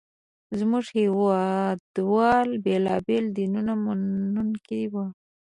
زموږ هېواد وال بېلابېل دینونه منونکي وو.